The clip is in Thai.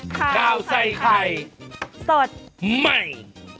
ข่าวใส่ไข่สดใหม่